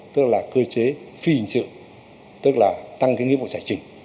tức là cơ chế phi hình sự tức là tăng cái nghĩa vụ giải trình